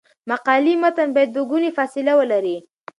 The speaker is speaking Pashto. د مقالې متن باید دوه ګونی فاصله ولري.